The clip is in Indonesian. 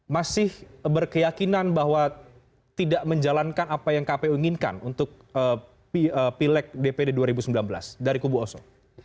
masih berkeyakinan bahwa tidak menjalankan apa yang kpu inginkan untuk pileg dpd dua ribu sembilan belas dari kubu oso